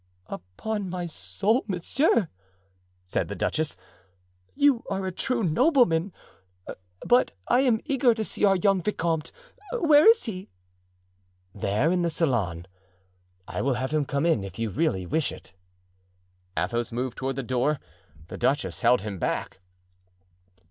"Upon my soul, monsieur," said the duchess, "you are a true nobleman! But I am eager to see our young vicomte. Where is he?" "There, in the salon. I will have him come in, if you really wish it." Athos moved toward the door; the duchess held him back.